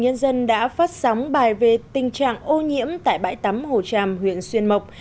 nhân dân đã phát sóng bài về tình trạng ô nhiễm tại bãi tắm hồ tràm huyện xuyên mộc